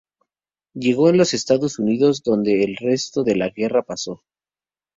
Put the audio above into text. Llegó en los Estados Unidos, donde el Resto de la Guerra pasó.